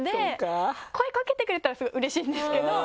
声かけてくれたらスゴいうれしいんですけど。